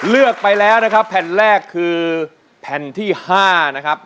เลือกไปแล้วนะครับแผ่นแรกคือแผ่นที่๕นะครับ